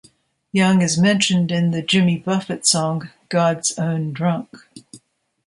Young is mentioned in the Jimmy Buffett song "God's Own Drunk".